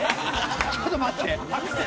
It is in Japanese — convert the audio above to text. ちょっと待って。